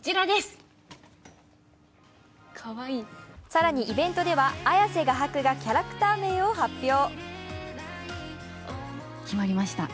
更にイベントでは綾瀬画伯がキャラクター名を発表。